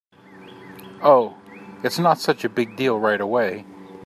Oh, it’s not such a big deal right away.